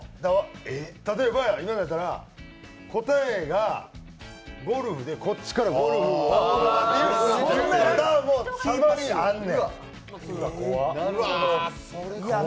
例えば今やったら、答えがゴルフでこっちからゴルフっていうのはあんねん。